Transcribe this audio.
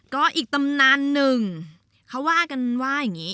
ก็อีกตำนานหนึ่งเขาว่ากันว่าอย่างนี้